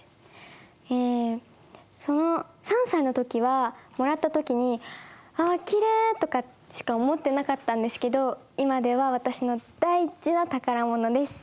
えその３歳の時はもらった時に「あきれい」とかしか思ってなかったんですけど今では私の大事な宝物です。